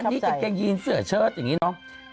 อันนี้กางเกงยีนเสือเชิดอย่างนี้เนาะ